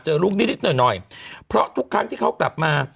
ลูกนิดหน่อยหน่อยเพราะทุกครั้งที่เขากลับมา